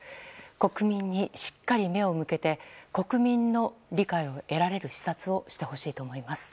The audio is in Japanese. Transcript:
国民にしっかり目を向けて国民の理解を得られる視察をしてほしいと思います。